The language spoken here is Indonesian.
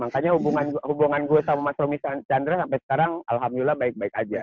makanya hubungan gue sama mas romy chandra sampai sekarang alhamdulillah baik baik aja